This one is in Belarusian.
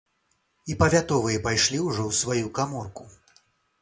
І павятовыя пайшлі ўжо ў сваю каморку.